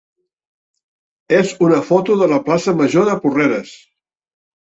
és una foto de la plaça major de Porreres.